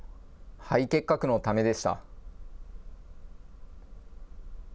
肺結核のためでした。